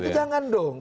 itu jangan dong